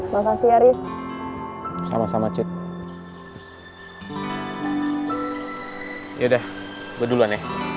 makasih ya riz sama sama cip